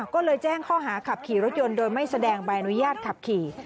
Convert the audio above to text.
ก็เลยแจ้งข้อหาขับขี่รถยนต์โดยไม่แสดงใบอนุญาตขับขี่